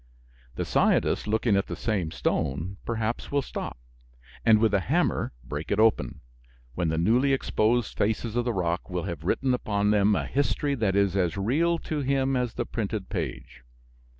The scientist looking at the same stone perhaps will stop, and with a hammer break it open, when the newly exposed faces of the rock will have written upon them a history that is as real to him as the printed page.